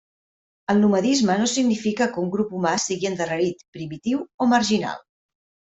El nomadisme no significa que un grup humà sigui endarrerit, primitiu o marginal.